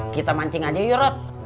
kita mancing aja yurot